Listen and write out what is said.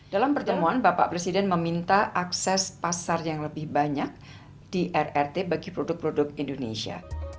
dalam pertemuan bapak presiden meminta akses pasar yang lebih banyak di rrt bagi produk produk indonesia